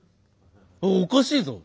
おぉおかしいぞ！